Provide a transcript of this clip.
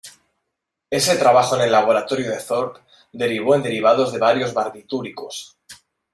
Ese trabajo en el Laboratorio de Thorpe derivó en derivados de varios barbitúricos.